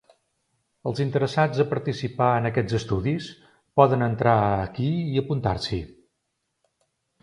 Els interessats a participar en aquests estudis poden entrar ací i apuntar-s’hi.